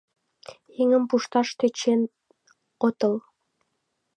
Еҥым пушташ тӧчен отыл?